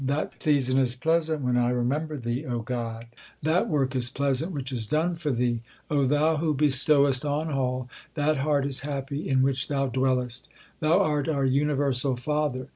That season is pleasant when I remember Thee, O God ; That work is pleasant which is done for Thee. Thou who bestoweth on all, that heart is happy in which Thou dwellest. Thou art our universal Father.